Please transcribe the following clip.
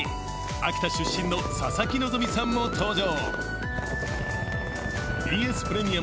秋田出身の佐々木希さんも登場。